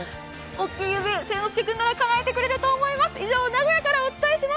おっきい夢、誠ノ介君ならかなえてくれると思います。